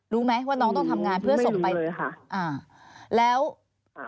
รู้ไหมว่าน้องต้องทำงานเพื่อส่งไปไม่รู้เลยค่ะ